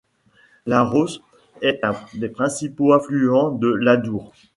L'Arros est un des principaux affluents de l’Adour.